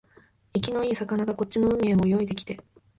生きのいい魚がこっちの海へも泳いできて、